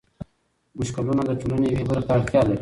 مشکلونه د ټولنې یوې برخې ته اړتيا لري.